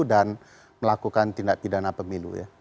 dan melakukan tindak pidana pemilu ya